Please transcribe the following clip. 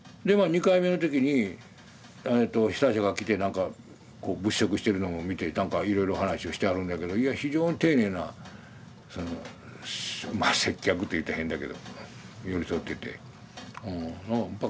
でまあ２回目の時にえと被災者が来てなんかこう物色してるのも見てなんかいろいろ話をしてはるんやけどいや非常に丁寧なまあ接客といったら変だけど寄り添ってて。